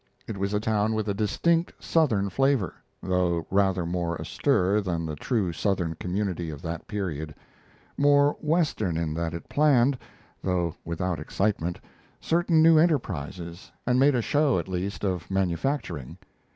It was a town with a distinct Southern flavor, though rather more astir than the true Southern community of that period; more Western in that it planned, though without excitement, certain new enterprises and made a show, at least, of manufacturing.